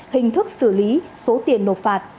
hình thức xử lý số tiền nộp phạt